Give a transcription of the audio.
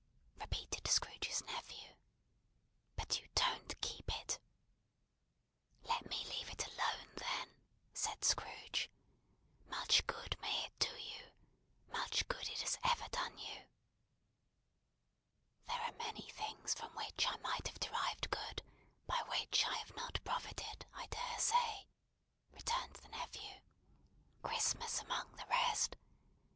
repeated Scrooge's nephew. "But you don't keep it." "Let me leave it alone, then," said Scrooge. "Much good may it do you! Much good it has ever done you!" "There are many things from which I might have derived good, by which I have not profited, I dare say," returned the nephew. "Christmas among the rest.